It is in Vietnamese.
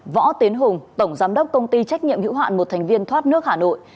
võ tiến hùng tổng giám đốc công ty trách nhiệm hữu hạn một thành viên thoát nước hà nội